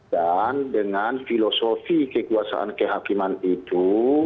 dan dengan filosofi kekuasaan kehakiman itu